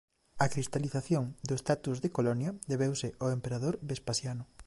A cristalización do status de colonia debeuse ao emperador Vespasiano.